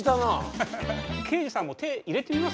ハハハハ刑事さんも手入れてみます？